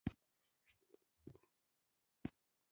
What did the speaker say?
ګلیسرین دپښو او لاسو چاودي له منځه وړي.